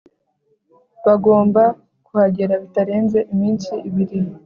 bagomba kuhagera bitarenze iminsi ibiri